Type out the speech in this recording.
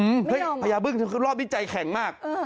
ไม่ยอมพญาบึ้งรอบนี้ใจแข็งมากอืม